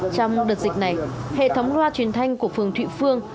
trong đợt dịch này hệ thống loa truyền thanh của phường thụy phương